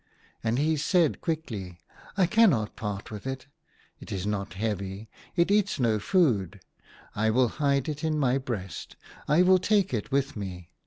" And he said quickly, " I cannot part with it. It is not heavy ; it eats no food. I will hide it in my breast : I will take it with me."